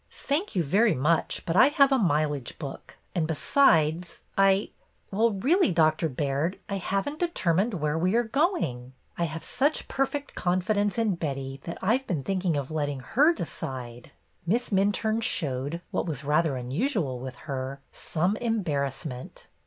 "Thank you very much, but I have a mile age book. And besides, I — well, really. Doctor Baird, I have n't determined where we are going. I have such perfect confidence JUST AS LOIS HAD SAID 93 in Betty that I 've been thinking of letting her decide/^ Miss Minturne showed, what was rather unusual with her, some embarrassment.